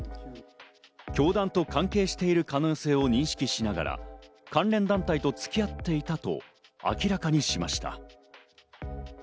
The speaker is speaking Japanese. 教団と関係している可能性を認識しながら、関連団体と付き合っていたと明らかにしました。